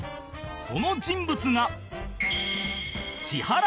その人物が